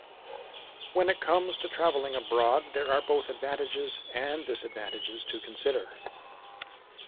When it comes to traveling abroad, there are both advantages and disadvantages to consider.